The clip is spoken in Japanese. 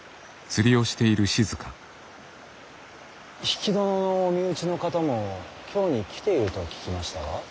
比企殿のお身内の方も京に来ていると聞きましたが。